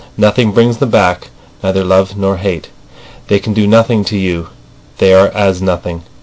Nothing brings them back, neither love nor hate. They can do nothing to you. They are as nothing.